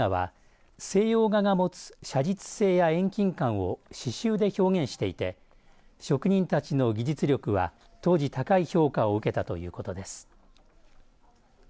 刺しゅう絵画は西洋画が持つ写実性や遠近感を刺しゅうで表現していて職人たちの技術力は当時、高い評価を受けたということです。